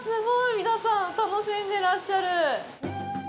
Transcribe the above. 皆さん楽しんでらっしゃる。